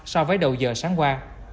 so với đầu giờ sáng qua